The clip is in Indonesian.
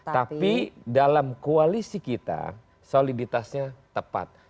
tapi dalam koalisi kita soliditasnya tepat